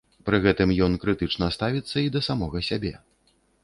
Пры гэтым ён крытычна ставіцца і да самога сябе.